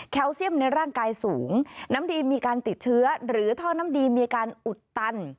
เซียมในร่างกายสูงน้ำดีมีการติดเชื้อหรือท่อน้ำดีมีอาการอุดตัน